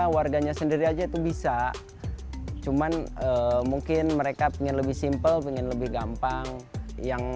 warganya sendiri aja itu bisa cuman mungkin mereka ingin lebih simpel pengen lebih gampang yang